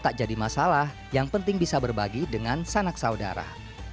tak jadi masalah yang penting bisa berbagi dengan sanak saudara